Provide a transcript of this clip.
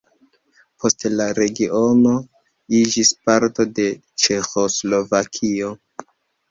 Poste la regiono iĝis parto de Ĉeĥoslovakio.